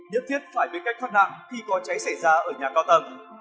nhất thiết phải biết cách thoát nạn khi có cháy xảy ra ở nhà cao tầng